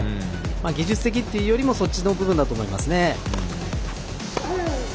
技術的というよりはそっちの部分だと思いますね。